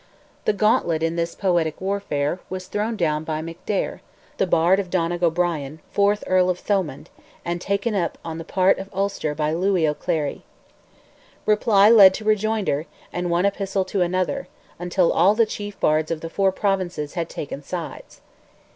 The gauntlet in this poetic warfare, was thrown down by McDaire, the Bard of Donogh O'Brien, fourth Earl of Thomond, and taken up on the part of Ulster by Lewy O'Clery. Reply led to rejoinder, and one epistle to another, until all the chief bards of the four provinces had taken sides.